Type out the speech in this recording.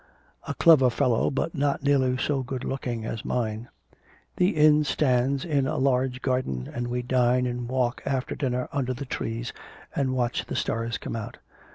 A clever fellow, but not nearly so good looking as mine. The inn stands in a large garden, and we dine and walk after dinner under the trees, and watch the stars come out.